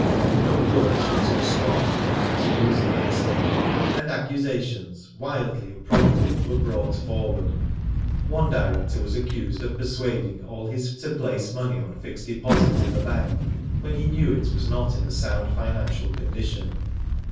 No words were too strong for people to use against them, and accusations, wildly improbable} were brought forward. One director was accused of persuading all his friends to place money on fixed deposit in the bank, when he knew it was not in a sound • financial condition.